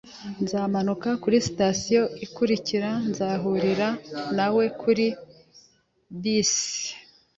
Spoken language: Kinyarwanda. Nzamanuka kuri sitasiyo ikurikira. Nzahurira nawe kuri bisi.